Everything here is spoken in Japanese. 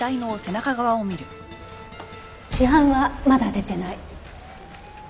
死斑はまだ出てない。